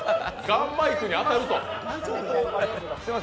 ガンマイクに当たると？